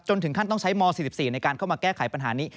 ถึงขั้นต้องใช้ม๔๔ในการเข้ามาแก้ไขปัญหานี้